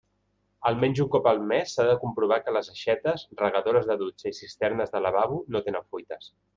Almenys un cop al mes s'ha de comprovar que les aixetes, regadores de dutxa i cisternes de lavabo no tenen fuites.